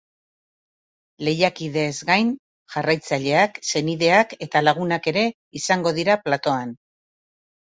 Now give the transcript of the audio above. Lehiakideez gain, jarraitzaileak, senideak eta lagunak ere izango dira platoan.